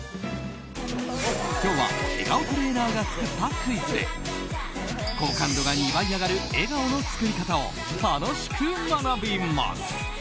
今日は笑顔トレーナーが作ったクイズで好感度が２倍上がる笑顔の作り方を楽しく学びます。